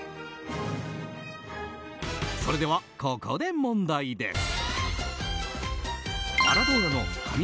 それでは、ここで問題です。